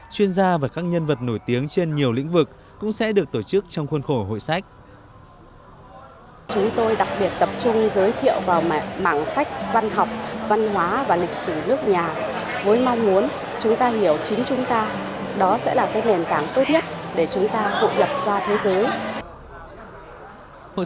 chuyên gia và các nhân vật nổi tiếng trên nhiều lĩnh vực cũng sẽ được tổ chức trong khuôn khổ hội sách